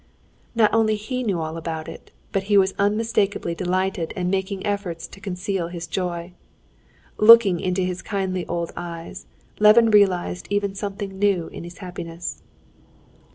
Not only he knew all about it, but he was unmistakably delighted and making efforts to conceal his joy. Looking into his kindly old eyes, Levin realized even something new in his happiness.